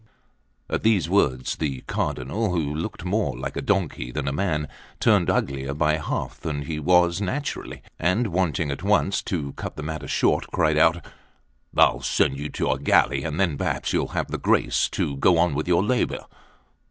At these words the Cardinal, who looked more like a donkey than a man, turned uglier by half than he was naturally; and wanting at once to cut the matter short, cried out: "I'll send you to a galley, and then perhaps you'll have the grace to go on with your labour."